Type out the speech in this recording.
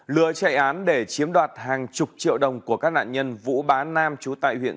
lừa chạy án để chiếm đoạt hàng chục triệu đồng của các nạn nhân vũ bá nam chú tại huyện